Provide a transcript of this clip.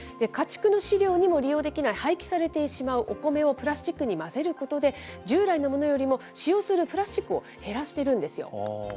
家畜の飼料にも利用できない、廃棄されてしまうお米をプラスチックに混ぜることで、従来のものよりも使用するプラスチックを減らしているんですよ。